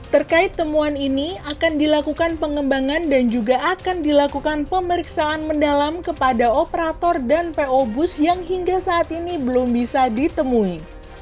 terkait temuan ini akan dilakukan pengembangan dan juga akan dilakukan pemeriksaan mendalam kepada operator dan po bus yang hingga saat ini belum bisa ditemui